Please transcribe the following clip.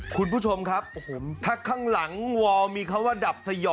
คุณผู้ชมครับโอ้โหถ้าข้างหลังมีเขาว่าดับซย